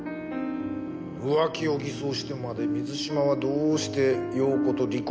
浮気を偽装してまで水嶋はどうして容子と離婚しようとしたのか。